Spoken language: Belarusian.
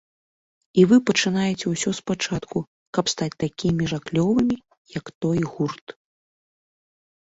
І вы пачынаеце ўсё спачатку, каб стаць такімі жа клёвымі, як той гурт.